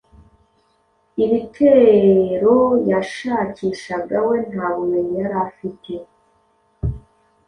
Ibiteroyashakishaga we nta bumenyi yari afite